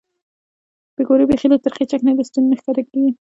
پیکورې بیخي له ترخې چکنۍ له ستوني نه ښکته کېږي.